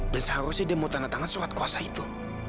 dan seharusnya dia mau tahan tangan surat kuasa itu